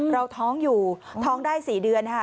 เราท้องอยู่ท้องได้๔เดือนค่ะ